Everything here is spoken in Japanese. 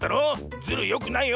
ズルよくないよ！